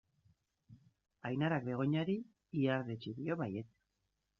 Ainarak Begoñari ihardetsi dio baietz.